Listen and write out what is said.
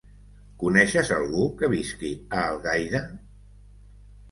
Coneixes algú que visqui a Algaida?